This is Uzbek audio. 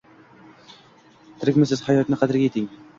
Tirikmisiz.?Hayotni qadriga yeting.!